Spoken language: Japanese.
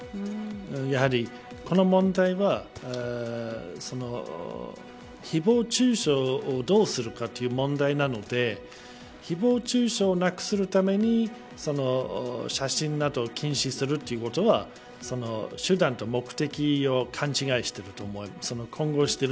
やはり、この問題はひぼう中傷をどうするかという問題なのでひぼう中傷をなくすために写真などを禁止するということは手段と目的を勘違いしていると思います。